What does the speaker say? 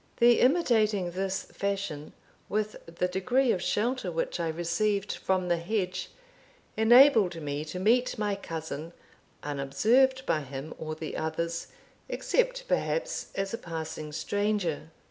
The imitating this fashion, with the degree of shelter which I received from the hedge, enabled me to meet my cousin, unobserved by him or the others, except perhaps as a passing stranger.